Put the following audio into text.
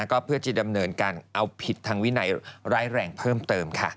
ก็เพื่อจะดำเนินการเอาผิดทางวินัยร้ายแรงเพิ่มเติมค่ะ